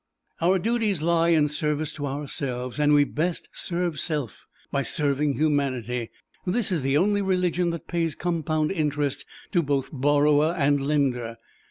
Our duties lie in service to ourselves, and we best serve self by serving humanity. This is the only religion that pays compound interest to both borrower and lender.